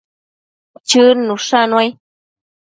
Chëd nushannuai